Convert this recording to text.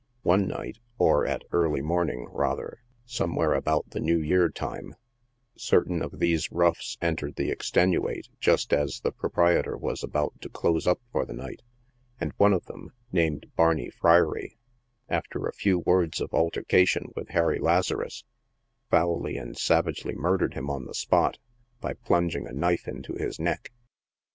One night— or at early morning, rather — somewhere about the New Year time, certain of these roughs entered the " Extenuate" just as the proprietor was about to close up for the night, and one of them, named Barney Friery, after a few words of altercation with Harry Lazarus, foully and savagely murdered him on the spot, by plunging a knife into his neck.